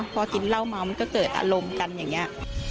พอกินเหล้าเมามันก็เกิดอารมณ์กันอย่างนี้